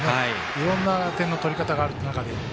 いろんな点の取り方がある中で。